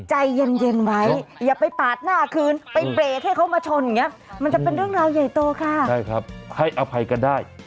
ใจเย็นไว้อย่าไปปาดหน้าคืนไปเบรคให้เขามาชนอย่างนี้